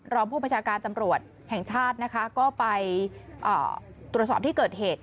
รองผู้ประชาการตำรวจแห่งชาตินะคะก็ไปตรวจสอบที่เกิดเหตุ